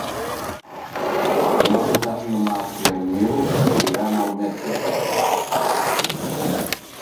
Demà passat na Mar i en Nil iran al metge.